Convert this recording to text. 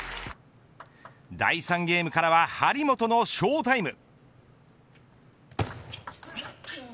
第３ゲームからは張本のショータイム。